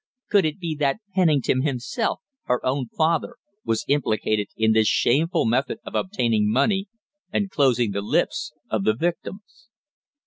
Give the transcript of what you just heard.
Could it be that Pennington himself her own father was implicated in this shameful method of obtaining money and closing the lips of the victims?